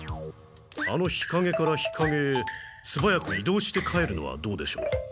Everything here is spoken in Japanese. あの日かげから日かげへすばやくいどうして帰るのはどうでしょう。